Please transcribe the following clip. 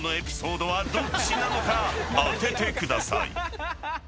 ［当ててください］